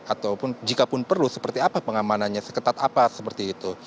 ataupun jikapun perlu seperti apa pengamanannya seketat apa seperti itu